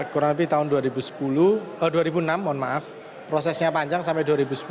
kurang lebih tahun dua ribu sepuluh oh dua ribu enam mohon maaf prosesnya panjang sampai dua ribu sepuluh